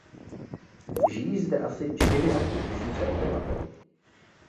Žijí zde asi čtyři a půl tisíce obyvatel.